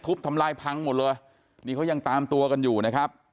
ทำลายพังหมดเลยนี่เขายังตามตัวกันอยู่นะครับ